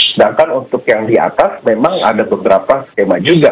sedangkan untuk yang di atas memang ada beberapa skema juga